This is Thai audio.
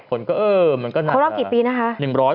ครบรอบกี่ปีนะคะ